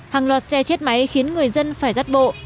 hàng loạt xe chết máy khiến người dân phải rắt bộ